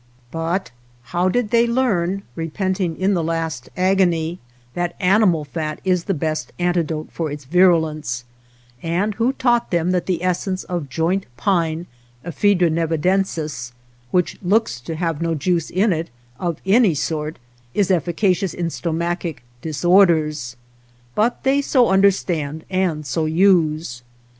But how did they learn, repenting in the last agony, that animal fat is the best antidote for its virulence ; and who taught them that the essence of joint pine {Ephe dra nevadensis), which looks to have no juice in it of any sort, is efficacious in stomachic disorders. But they so under stand and so use.